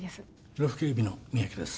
呂布警備の三宅です